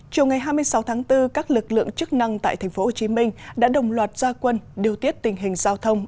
chiều ngày hai mươi sáu tháng bốn các lực lượng chức năng tại tp hcm đã đồng loạt gia quân điều tiết tình hình giao thông